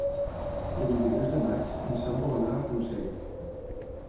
El vint-i-tres de maig en Sam vol anar a Consell.